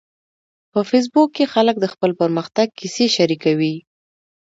په فېسبوک کې خلک د خپل پرمختګ کیسې شریکوي